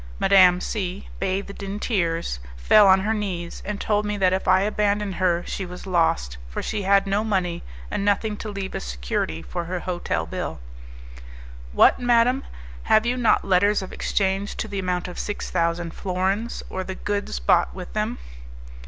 Madame C , bathed in tears, fell on her knees, and told me that if I abandoned her she was lost, for she had no money and nothing to leave as security for her hotel bill. "What, madam! Have you not letters of exchange to the amount of six thousand florins, or the goods bought with them?"